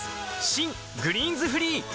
新「グリーンズフリー」